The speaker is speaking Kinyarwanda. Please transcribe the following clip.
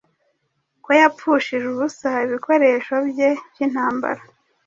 Ko yapfushije ubusa ibikoresho bye byintambara